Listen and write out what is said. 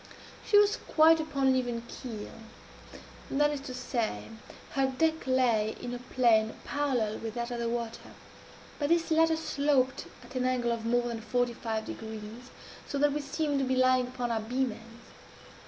She was quite upon an even keel that is to say, her deck lay in a plane parallel with that of the water but this latter sloped at an angle of more than forty five degrees, so that we seemed to be lying upon our beam ends.